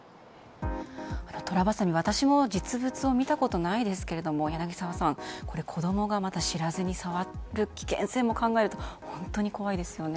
トラバサミは私も実物を見たことはないですが柳澤さん、子供が知らずに触る危険性も考えると本当に怖いですよね。